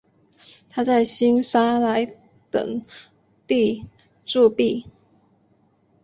他在新萨莱等地铸币。